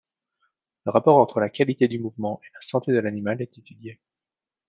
Le rapport entre la qualité du mouvement et la santé de l'animal est étudié.